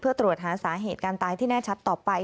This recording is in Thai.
เพื่อตรวจหาสาเหตุการตายที่แน่ชัดต่อไป